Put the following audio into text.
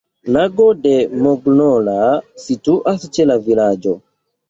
Lago de Mognola situas ĉe la vilaĝo.